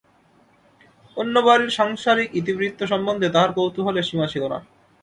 অন্য বাড়ির সাংসারিক ইতিবৃত্ত সম্বন্ধে তাহার কৌতূহলের সীমা ছিল না।